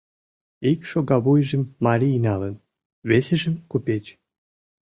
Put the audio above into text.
Ик шогавуйжым марий налын, весыжым — купеч.